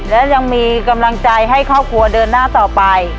และยังมีกำลังใจให้ครอบครัวเดินหน้าต่อไป